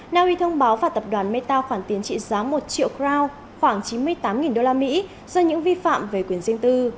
naui thông báo và tập đoàn meta khoản tiền trị giá một triệu group khoảng chín mươi tám usd do những vi phạm về quyền riêng tư